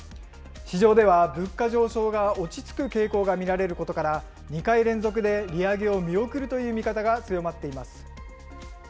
市場では物価上昇が落ち着く傾向が見られることから、２回連続で利上げを見送るという見方が強まっています。